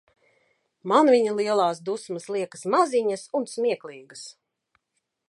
Man viņa lielās dusmas liekas maziņas un smieklīgas.